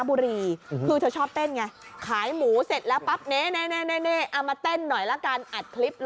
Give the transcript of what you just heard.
เดี๋ยวจะแถมเต้นไว้